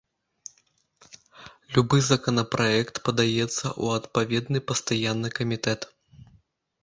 Любы законапраект перадаецца ў адпаведны пастаянны камітэт.